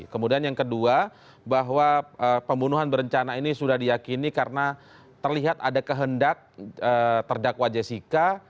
kemudian yang kedua bahwa pembunuhan berencana ini sudah diyakini karena terlihat ada kehendak terdakwa jessica